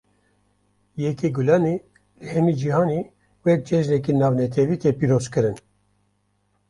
Yekê Gulanê, li hemî cihanê wek cejneke navnetewî tê pîroz kirin